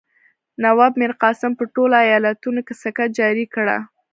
نواب میرقاسم په ټولو ایالتونو کې سکه جاري کړه.